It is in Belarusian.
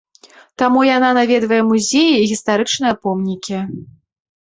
Таму яна наведвае музеі і гістарычныя помнікі.